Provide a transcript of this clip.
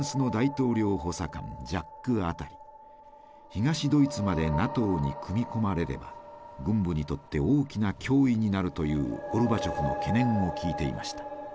東ドイツまでＮＡＴＯに組み込まれれば軍部にとって大きな脅威になるというゴルバチョフの懸念を聞いていました。